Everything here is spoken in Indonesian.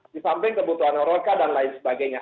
di samping kebutuhan roka dan lain sebagainya